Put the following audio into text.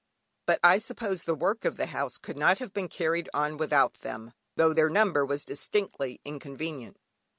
But I suppose the work of the house could not have been carried on without them, though their number was distinctly inconvenient.